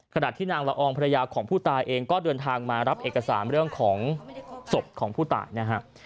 ขณะที่นางละอองภรรยาของผู้ตายเองก็เดินทางมารับเอกสารเรื่องของศพของผู้ตายนะฮะ